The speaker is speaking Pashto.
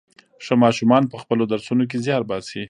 ښه ماشومان په خپلو درسونو کې زيار باسي.